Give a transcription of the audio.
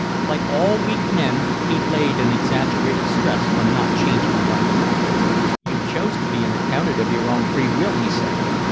Like all weak men he laid an exaggerated stress on not changing one's mind. "You chose to be an accountant of your own free will," he said.